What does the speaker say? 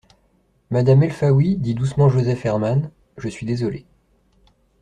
Madame Elfaoui, dit doucement Joseph Herman, je suis désolé